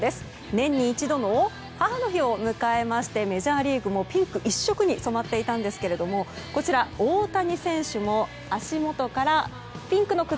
年に一度の母の日を迎えましてメジャーリーグもピンク一色に染まっていたんですけれどもこちら、大谷選手も足元からピンクの靴。